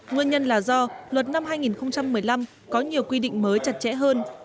nguyên nhân là do luật năm hai nghìn một mươi năm có nhiều quy định mới chặt chẽ hơn